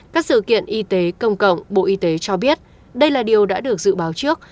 các sự kiện y tế công cộng bộ y tế cho biết đây là điều đã được dự báo trước